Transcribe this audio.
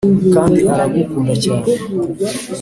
kandi aragukunda cyane